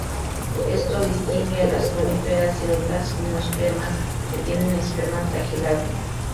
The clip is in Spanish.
Esto distingue a las coníferas de otras gimnospermas, que tienen esperma flagelado.